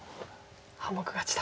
半目勝ちと。